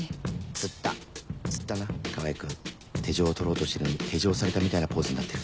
つったつったな川合君手錠を取ろうとしてるのに手錠されたみたいなポーズになってる